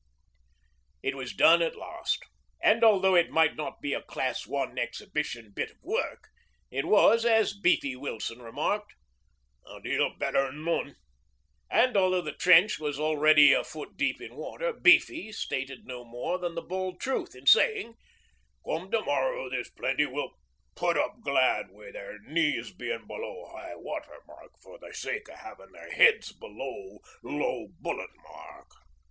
It was done at last, and although it might not be a Class One Exhibition bit of work, it was, as Beefy Wilson remarked, 'a deal better'n none.' And although the trench was already a foot deep in water, Beefy stated no more than bald truth in saying, 'Come to morrow there's plenty will put up glad wi' their knees bein' below high water mark for the sake o' havin' their heads below low bullet mark.'